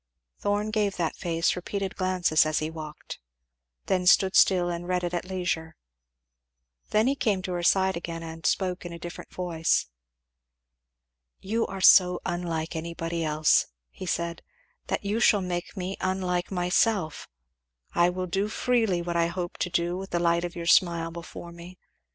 Thorn gave that face repeated glances as he walked, then stood still and read it at leisure. Then he came to her side again and spoke in a different voice. "You are so unlike anybody else," he said, "that you shall make me unlike myself. I will do freely what I hoped to do with the light of your smile before me.